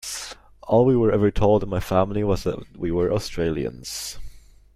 All we were ever told in my family was that we were Australians.